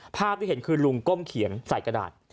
ภาพที่เห็นคือลุงก้มเขียนใส่กระดาษ